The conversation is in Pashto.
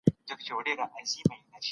که حاکمانو دا کار نه وای کړی څه به کیدل؟